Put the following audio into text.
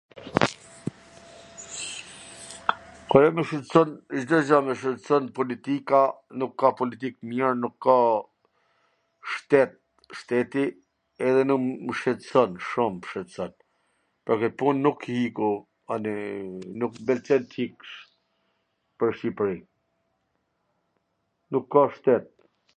Ajo qw mw shqetson, Cdo gja mw shqetson, politika, nuk ka politik t mir, nuk ka shtet, shteti ... edhe mw shqetson shum mw shqetson.. Pwr kwt pun nuk ik u anej, nuk m pwlqen t ik pwr Shqipri, nuk ka shtet.